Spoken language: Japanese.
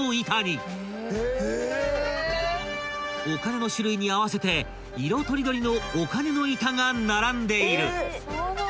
［お金の種類に合わせて色とりどりのお金の板が並んでいる］